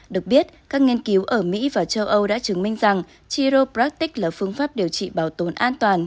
được biết các nghiên cứu ở mỹ và châu âu đã chứng minh rằng chiropratic là phương pháp điều trị bảo tồn an toàn